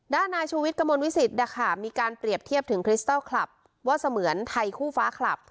นายชูวิทย์กระมวลวิสิตนะคะมีการเปรียบเทียบถึงคริสตัลคลับว่าเสมือนไทยคู่ฟ้าคลับ